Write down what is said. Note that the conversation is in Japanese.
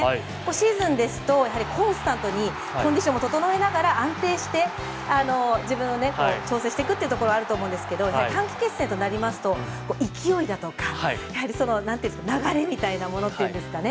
シーズンですとやはりコンスタントにコンディションを整えながら安定して自分の調整していくってところはあると思うんですけど短期決戦となりますから勢いだとか流れみたいなものっていうんですかね